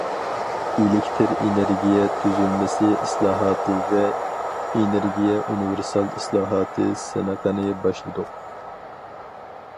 ئېلېكتىر ئېنېرگىيە تۈزۈلمىسى ئىسلاھاتى ۋە ئېنېرگىيە ئۇنىۋېرسال ئىسلاھاتى سىنىقىنى باشلىدۇق.